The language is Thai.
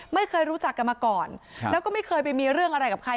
ไม่เคยรู้จักกันมาก่อนแล้วก็ไม่เคยไปมีเรื่องอะไรกับใคร